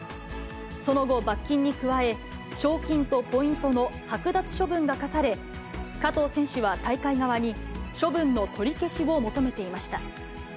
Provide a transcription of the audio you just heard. その後、罰金に加え、賞金とポイントの剥奪処分が科され、加藤選手は大会側に処分の取り消しを求めていました。